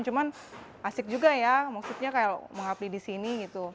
cuman asik juga ya musiknya kayak mengabdi di sini gitu